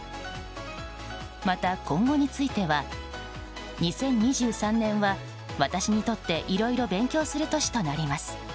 また、今後については２０２３年は私にとって、いろいろ勉強する年となります。